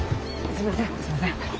すみません。